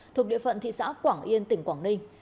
thuộc địa phận thị xã quảng yên tỉnh quảng ninh